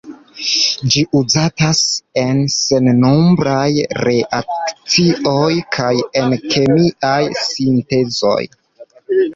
Ĝi uzatas en sennombraj reakcioj kaj en kemiaj sintezoj.